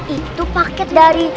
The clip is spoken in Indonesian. itu paket dari